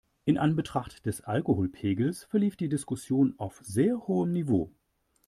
In Anbetracht des Alkoholpegels verlief die Diskussion auf sehr hohem Niveau.